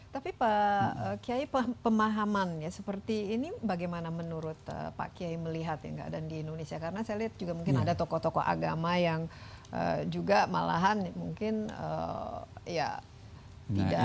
tapi pak kiai pemahamannya seperti ini bagaimana menurut pak kiai melihat yang keadaan di indonesia karena saya lihat juga mungkin ada tokoh tokoh agama yang juga malahan mungkin ya tidak